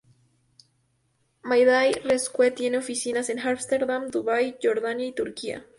Mayday Rescue tiene oficinas en Ámsterdam, Dubái, Jordania y Turquía.